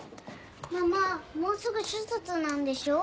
もうすぐ手術なんでしょ？